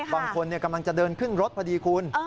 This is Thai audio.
บางคนกำลังจะเดินขึ้นรถพอดีคุณ